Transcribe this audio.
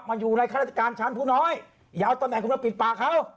มาอยู่ในฆาตรการชั้นผู้น้อยยาวตำแหน่งคุณมาปิดปากเขา